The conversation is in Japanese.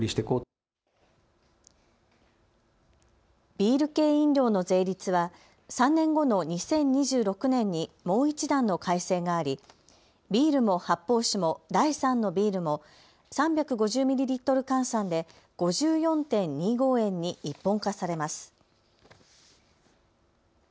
ビール系飲料の税率は３年後の２０２６年にもう一段の改正があり、ビールも発泡酒も第３のビールも３５０ミリリットル換算で５４．２５円に一本化されます。